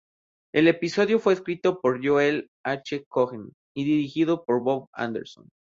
El episodio fue escrito por Joel H. Cohen y dirigido por Bob Anderson.